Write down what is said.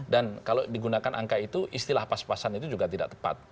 dan kalau digunakan angka itu istilah pas pasan itu juga tidak terlalu